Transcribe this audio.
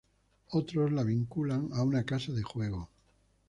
Otros la vinculan a una casa de juego.